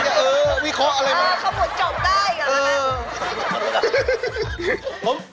เขาหมดจบได้กันแล้วนั้นอืมพี่ต้ามาครับ